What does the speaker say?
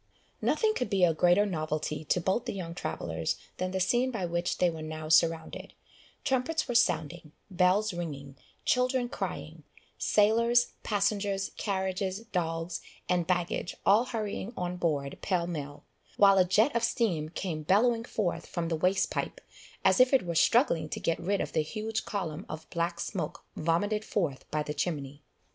Nothing could be a greater novelty to both the young travellers than the scene by which they were now surrounded; trumpets were sounding bells ringing children crying sailors, passengers, carriages, dogs, and baggage all hurrying on board pell mell, while a jet of steam came bellowing forth from the waste pipe, as if it were struggling to get rid of the huge column of black smoke vomited forth by the chimney.